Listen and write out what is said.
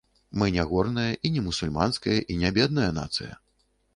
Мы не горная і не мусульманская і не бедная нацыя.